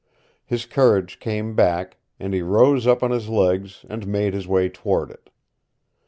His courage came back, and he rose up on his legs, and made his way toward it.